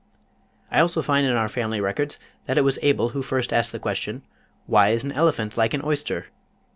I find also in our family records that it was Abel who first asked the question, "Why is an elephant like an oyster?